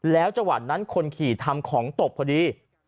แล้วจังหวะนั้นคนขี่ทำของตกพอดี